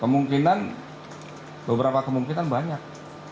kemungkinan beberapa kemungkinan banyak